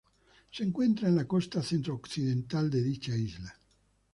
Se encuentra en la costa centro occidental de dicha isla.